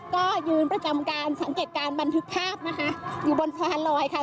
ก็ยืนประจำการสังเกตการบันทึกภาพนะคะอยู่บนสะพานลอยค่ะ